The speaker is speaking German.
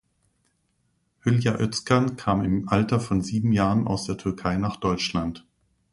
Hülya Özkan kam im Alter von sieben Jahren aus der Türkei nach Deutschland.